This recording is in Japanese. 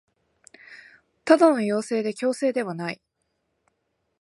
ただの要請で強制ではない